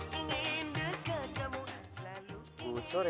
hari ini juga kamu saya pecat